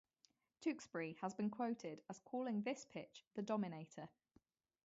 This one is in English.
Tewksbury has been quoted as calling this pitch The Dominator.